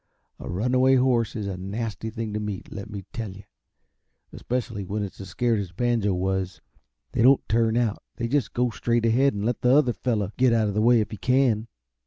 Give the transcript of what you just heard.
A runaway horse is a nasty thing to meet, let me tell you especially when it's as scared as Banjo was. They won't turn out; they just go straight ahead, and let the other fellow get out of the way if he can."